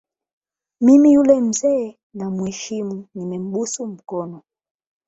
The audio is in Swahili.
Mimi yule mzee namheshimu nimembusu mkono